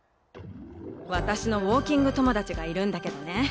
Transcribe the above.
私のウォーキング友達がいるんだけどね